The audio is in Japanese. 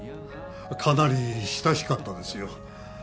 かなり親しかったですよ。